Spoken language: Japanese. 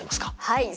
はい。